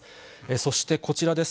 そしてこちらです。